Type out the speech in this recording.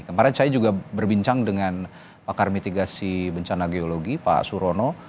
kemarin saya juga berbincang dengan pakar mitigasi bencana geologi pak surono